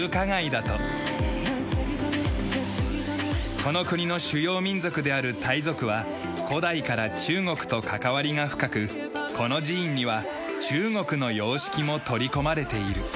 この国の主要民族であるタイ族は古代から中国と関わりが深くこの寺院には中国の様式も取り込まれている。